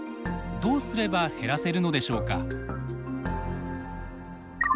どうすれば減らせるのでしょうか。